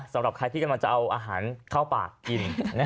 สำหรับใครที่กำลังจะเอาอาหารเข้าปากกิน